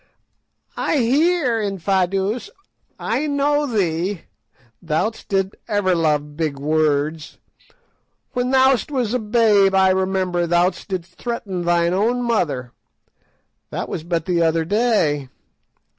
"I hear, Infadoos; I know thee, thou didst ever love big words; when thou wast a babe I remember thou didst threaten thine own mother. That was but the other day.